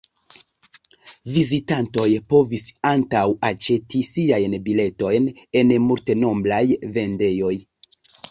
Vizitantoj povis antaŭ-aĉeti siajn biletojn en multnombraj vendejoj.